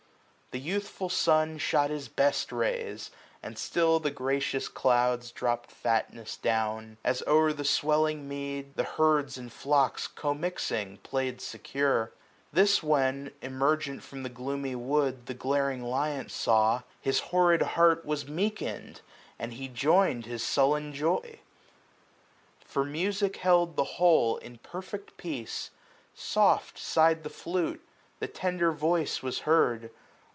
The youthful sun Shot his best rays, and still the gracious clouds 260 DropM fatness down ; as o'er the swelling mead; The herds and flocks, commixing, play'd secure. This when, emergent from the gloomy wood. The glaring lion saw, his horrid heart Was meeken*d, and he joined his sullen joy ; 265 For music held the whole in perfect peace ; Soft sigh*d the flute ; the tender voice was heard.